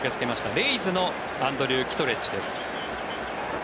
レイズのアンドリュー・キトレッジです。